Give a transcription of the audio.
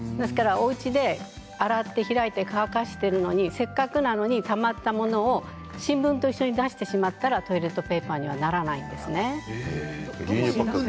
おうちで洗って乾かしているのにせっかくたまったものを新聞と一緒に出してしまったらトイレットペーパーにはならないですね。